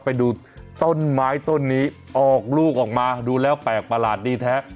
ไปดูต้นไม้ต้นนี้ออกลูกออกมาดูแล้วแปลกประหลาดดีแท้